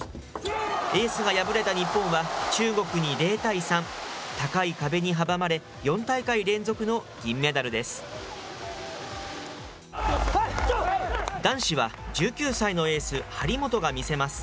エースが敗れた日本は、中国に０対３、高い壁に阻まれ、４大会連続の銀メダルです。